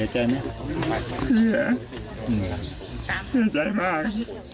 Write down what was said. เจ๋งใจมาก